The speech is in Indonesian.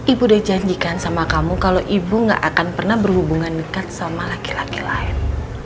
ibu udah janjikan sama kamu kalau ibu gak akan pernah berhubungan dekat sama laki laki lain